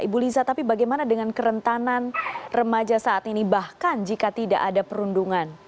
ibu lisa tapi bagaimana dengan kerentanan remaja saat ini bahkan jika tidak ada perundungan